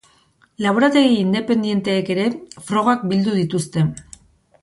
Laborategi independenteek ere frogak bildu dituzte.